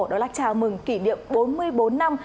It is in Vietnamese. đó là chào mừng kỷ niệm bốn mươi bốn năm